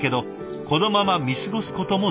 このまま見過ごすこともできない。